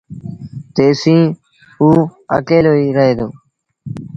تيسيٚݩٚ اوٚ اڪيلو ئيٚ رهي دو